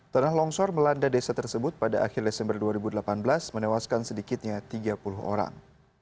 tanah longsor melanda desa tersebut pada akhir desember dua ribu delapan belas menewaskan sedikitnya tiga puluh orang